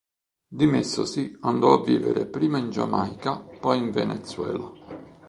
Dimessosi, andò a vivere prima in Giamaica, poi in Venezuela.